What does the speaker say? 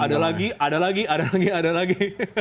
ada lagi ada lagi ada lagi ada lagi